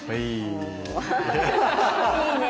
おいいね。